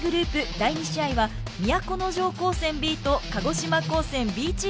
第２試合は都城高専Ｂと鹿児島高専Ｂチームの戦いです。